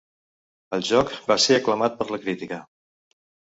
El joc va ser aclamat per la crítica.